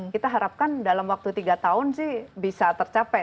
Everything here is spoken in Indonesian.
kita harapkan dalam waktu tiga tahun sih bisa tercapai